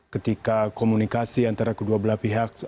ketika komunikasi antara kedua belah pihak